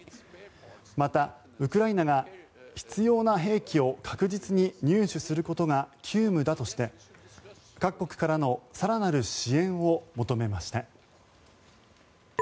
また、ウクライナが必要な兵器を確実に入手することが急務だとして各国からの更なる支援を求めました。